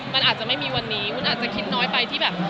มันอาจจะไม่มีวันนี้วุ้นอาจจะคิดน้อยไปที่แบบ